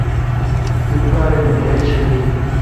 تی پارن ایج بل۔